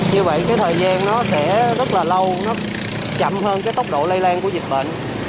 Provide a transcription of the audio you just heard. như vậy cái thời gian nó sẽ rất là lâu nó chậm hơn cái tốc độ lây lan của dịch bệnh